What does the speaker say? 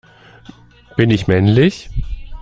Bin ich männlich?